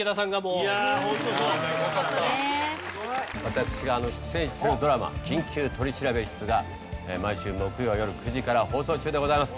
私が出演してるドラマ『緊急取調室』が毎週木曜よる９時から放送中でございます。